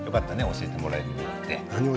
教えてもらえるようになって。